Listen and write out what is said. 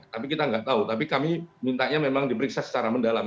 tapi kita nggak tahu tapi kami mintanya memang diperiksa secara mendalam